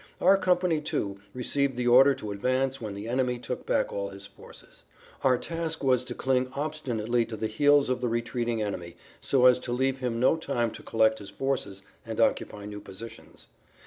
Our company, too, received the order to advance when the enemy took back all his forces. [Pg 11]Our task was to cling obstinately to the heels of the retreating enemy so as to leave him no time to collect his forces and occupy new positions.